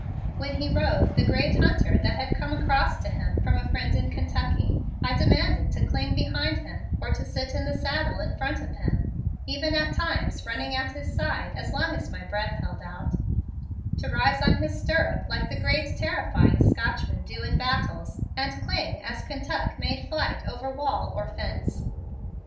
When he rode the great hunter that had come across to him from a friend in Kentucky I demanded to cling behind him or to sit the saddle in front of him, even at times running at his side as long as my breath held out, to rise on his stirrup, like the great terrifying Scotchmen do in battles, and cling as Kentuck made flight over wall or fence.